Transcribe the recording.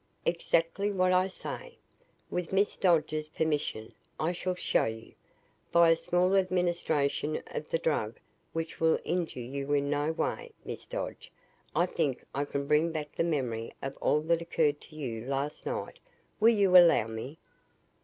"Exactly what I say. With Miss Dodge's permission I shall show you. By a small administration of the drug which will injure you in no way, Miss Dodge, I think I can bring back the memory of all that occurred to you last night. Will you allow me?"